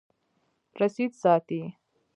رسید ساتئ